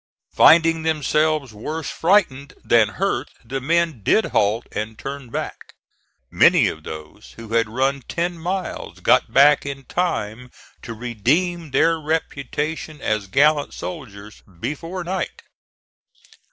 Finding themselves worse frightened than hurt the men did halt and turn back. Many of those who had run ten miles got back in time to redeem their reputation as gallant soldiers before night.